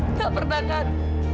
tidak pernah kan